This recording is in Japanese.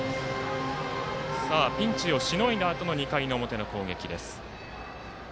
ピンチをしのいだあとの２回の表の攻撃です。